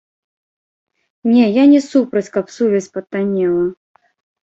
Не, я не супраць, каб сувязь патаннела.